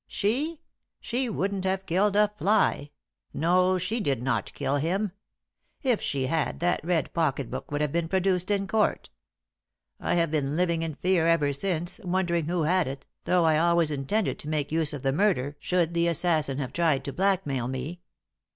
"She? She wouldn't have killed a fly. No, she did not kill him. If she had, that red pocket book would have been produced in court. I have been living in fear ever since, wondering who had it, though I always intended to make use of the murder should the assassin have tried to blackmail me.